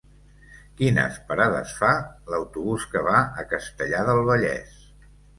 Quines parades fa l'autobús que va a Castellar del Vallès?